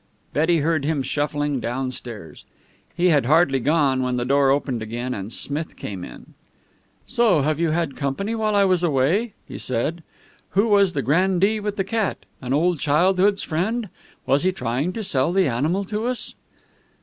Betty heard him shuffling downstairs. He had hardly gone, when the door opened again, and Smith came in. "So you have had company while I was away?" he said. "Who was the grandee with the cat? An old childhood's friend? Was he trying to sell the animal to us?"